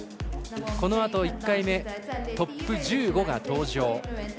このあと１回目トップ１５が登場。